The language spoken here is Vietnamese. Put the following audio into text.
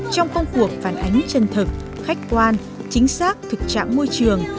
trong công cuộc phản ánh chân thực khách quan chính xác thực trạng môi trường